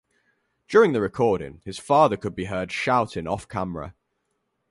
During the recording, his father could be heard shouting off-camera.